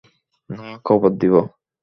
না কবর দিব?